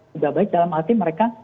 sudah baik dalam arti mereka